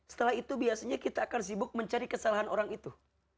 setelah itu biasanya kita akan sibuk mencari kesalahan orang itu